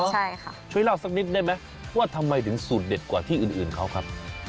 ใช่ค่ะช่วยเล่าสักนิดได้ไหมว่าทำไมถึงสูตรเด็ดกว่าที่อื่นเขาครับ